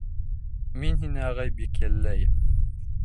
Мин һине, ағай, бик йәлләйем!